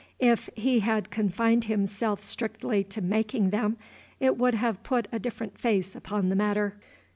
If he had confined himself strictly to making them, it would have put a different face upon the matter.